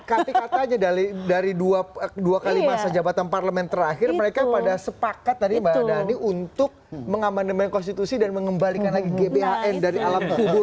tapi katanya dari dua kali masa jabatan parlemen terakhir mereka pada sepakat tadi mbak dhani untuk mengamandemen konstitusi dan mengembalikan lagi gbhn dari alam tubuh